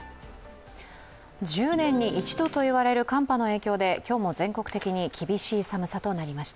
１０年に一度といわれる寒波の影響で今日も全国的に厳しい寒さとなりました。